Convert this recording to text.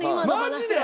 マジで！？